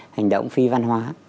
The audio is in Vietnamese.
hành động phi văn hóa